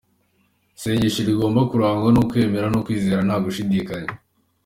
Isengesho rigomba kurangwa n'ukwemera n'ukwizera nta gushidikanya.